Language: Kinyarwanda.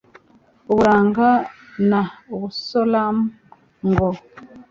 uburanga na abusalomu ngo